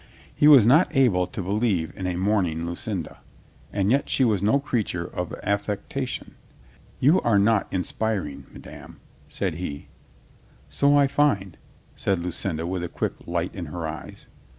He was not able to believe in a mourning Lucinda. And yet she was no creature of aff"ectation. "You are not inspiring, madame," said he. "So I find," said Lucinda with a quick light in her eyes.